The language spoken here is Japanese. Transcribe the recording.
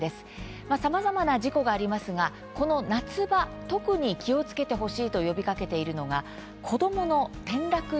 さまざまな事故がありますがこの夏場、特に気をつけてほしいと呼びかけているのが子どもの転落事故です。